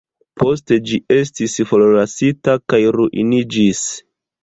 Poste ĝi estis forlasita kaj ruiniĝis.